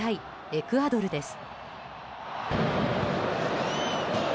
エクアドルです。